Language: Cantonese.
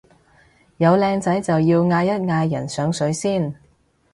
有靚仔就要嗌一嗌人上水先